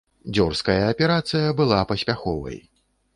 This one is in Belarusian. Дзёрзкая аперацыя была паспяховай.